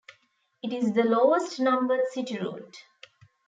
It is the lowest numbered city route.